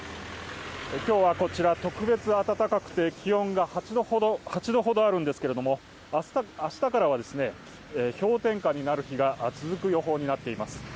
今日はこちら、特別暖かくて気温が８度ほどあるんですけれども明日からは氷点下になる日が続く予報になっています。